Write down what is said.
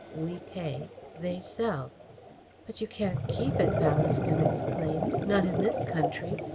We pay. They sell." "But you can't keep it," Ballaston exclaimed, "not in this country.